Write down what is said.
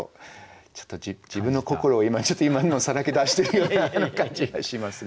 ちょっと自分の心を今さらけ出しているような感じがしますが。